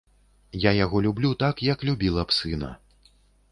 Я яго люблю так, як любіла б сына.